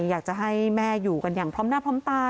อยากจะให้แม่อยู่กันอย่างพร้อมหน้าพร้อมตา